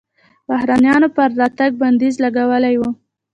بهرنیانو پر راتګ بندیز لګولی و.